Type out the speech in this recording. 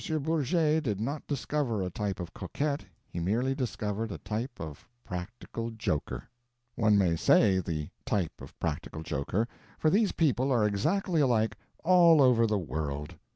Bourget did not discover a type of coquette; he merely discovered a type of practical joker. One may say the type of practical joker, for these people are exactly alike all over the world.